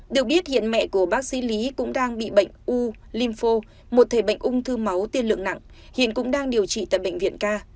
được biết hiện mẹ của bác sĩ lý cũng đang bị bệnh u limpho một thể bệnh ung thư máu tiên lượng nặng hiện cũng đang điều trị tại bệnh viện ca